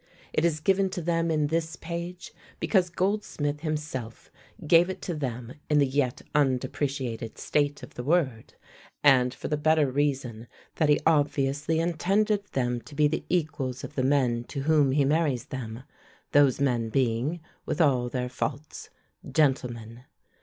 It is given to them in this page because Goldsmith himself gave it to them in the yet undepreciated state of the word, and for the better reason that he obviously intended them to be the equals of the men to whom he marries them, those men being, with all their faults, gentlemen.